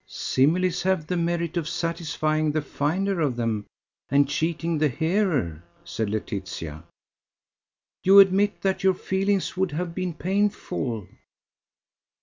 "Similes have the merit of satisfying the finder of them, and cheating the hearer," said Laetitia. "You admit that your feelings would have been painful."